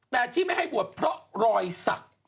แต่ที่ไม่ให้บวชเพราะรอยสัก